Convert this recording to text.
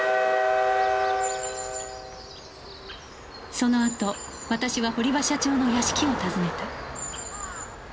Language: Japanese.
そのあと私は堀場社長の屋敷を訪ねた